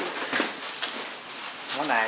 もうない？